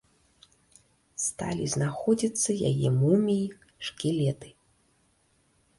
Сталі знаходзіцца яе муміі, шкілеты.